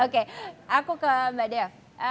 oke aku ke mbak dev